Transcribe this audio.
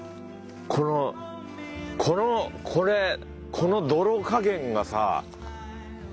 このこのこれこの泥加減がさ。